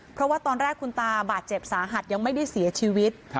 เพราะว่าตอนแรกคุณตาบาดเจ็บสาหัสยังไม่ได้เสียชีวิต